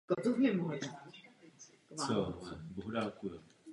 Vesmír je naším společným celosvětovým majetkem.